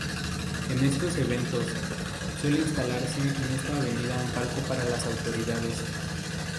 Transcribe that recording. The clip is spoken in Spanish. En estos eventos, suele instalarse en esta avenida un palco para las autoridades.